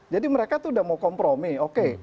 jadi mereka itu sudah mau kompromi oke